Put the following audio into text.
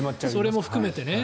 それも含めてね。